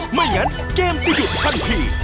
ไม่งั้นเกมจะหยุดทันที